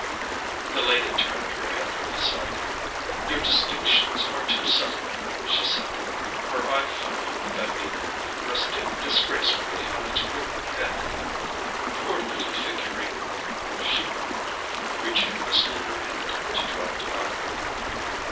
The lady turned her head aside. "Your distinctions are too subtle," she said. Her eye fell on the Bambino, resting disgracefully on its wooden head. "Poor little figurine," she murmured, reaching a slender hand to draw it up.